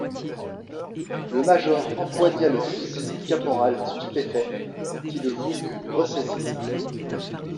Le major empoigna le fusil du caporal stupéfait, qui le voulut ressaisir.